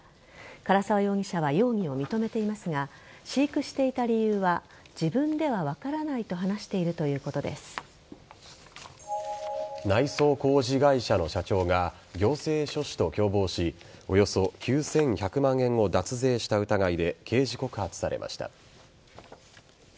唐沢容疑者は容疑を認めていますが飼育していた理由は自分では分からないと内装工事会社の社長が行政書士と共謀しおよそ９１００万円を脱税した疑いで刑事告発されました。